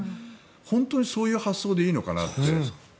本当にそういう発想でいいのかなって。